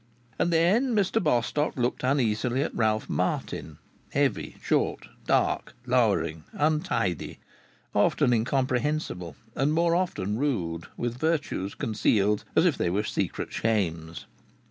And then Mr Bostock looked uneasily at Ralph Martin, heavy, short, dark, lowering, untidy, often incomprehensible, and more often rude; with virtues concealed as if they were secret shames.